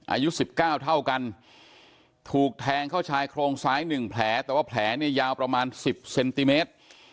อายุ๑๙เท่ากันถูกแทงเข้าชายโครงซ้าย๑แผลแต่ว่าแผลเนี่ยยาวประมาณ๑๐เซนติเมตร